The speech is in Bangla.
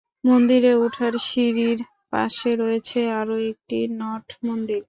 মন্দিরে উঠার সিঁড়ির পাশে রয়েছে আরও একটি নট মন্দির।